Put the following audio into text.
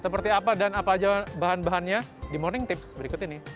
seperti apa dan apa aja bahan bahannya di morning tips berikut ini